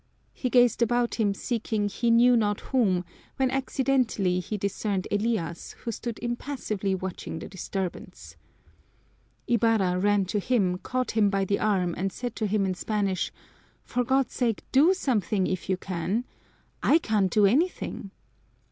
He gazed about him seeking he knew not whom, when accidentally he discerned Elias, who stood impassively watching the disturbance. Ibarra ran to him, caught him by the arm, and said to him in Spanish: "For God's sake, do something, if you can! I can't do anything."